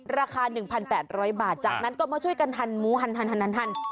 ราคาหนึ่งพันแปดร้อยบาทจากนั้นก็มาช่วยกันทันหมูทัน